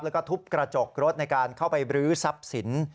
แล้วก็ทุบกระจกรถในการเข้าไปบรื้อทรัพย์สิน